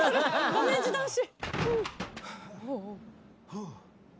ダメージ男子！